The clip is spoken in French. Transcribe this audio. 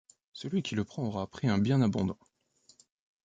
Celui qui le prend aura pris un bien abondant.